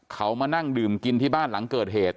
เขามานั่งดื่มกินที่บ้านหลังเกิดเหตุ